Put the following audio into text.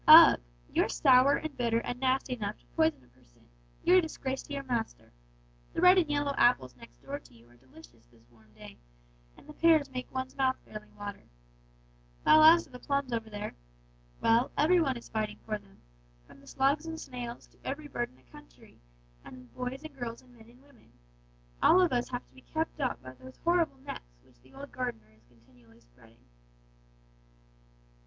'Ugh! you're sour and bitter and nasty enough to poison a person! You're a disgrace to your master. The red and yellow apples next door to you are delicious this warm day, and the pears make one's mouth fairly water, while as to the plums over there well, every one is fighting for them, from the slugs and snails to every bird in the country, and the boys and girls and men and women all of us have to be kept off by those horrible nets which the old gardener is continually spreading!'